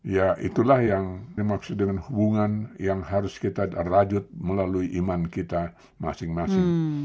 ya itulah yang dimaksud dengan hubungan yang harus kita rajut melalui iman kita masing masing